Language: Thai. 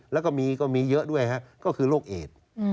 แล้วก็มีก็มีเยอะด้วยก็คือโรคเอด